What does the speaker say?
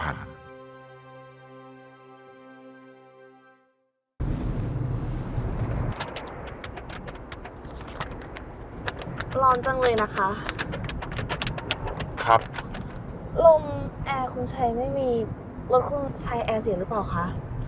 ร้อนจังเลยนะคะครับลมแอร์คุณชัยไม่มีรถคุณชัยแอร์เสียหรือเปล่าคะ